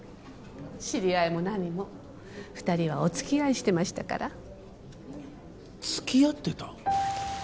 知り合いもなにも２人はおつきあいしてましたからつきあってた？